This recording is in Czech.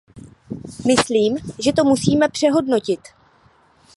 Myslím si, že to musíme přehodnotit.